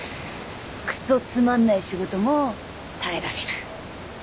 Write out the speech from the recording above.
くそつまんない仕事も耐えられる。